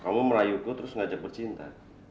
kamu merayu gue terus ngajak bercinta